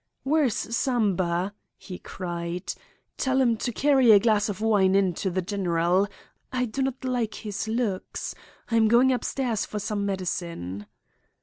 "'Where's Samba?' he cried. 'Tell him to carry a glass of wine in to the general. I do not like his looks. I am going upstairs for some medicine.